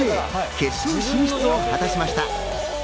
決勝進出を果たしました。